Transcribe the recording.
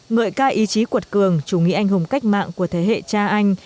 ngợi ca ý chí cuột cường chủ nghĩa anh hùng cách mạng của thế hệ cha anh